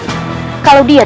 nyi rata santang